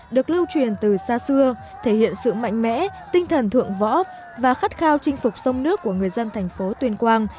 được lưu truyền từ xa xưa thể hiện sự mạnh mẽ tinh thần thượng võ và khát khao chinh phục sông nước của người dân thành phố tuyên quang